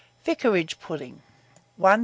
VICARAGE PUDDING. 1378.